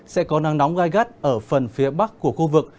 sẽ có nắng nóng gai gắt ở phần phía bắc của khu vực